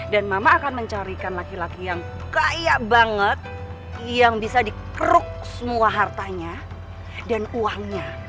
dan mama akan mencarikan laki laki yang kaya banget yang bisa dikeruk semua hartanya dan uangnya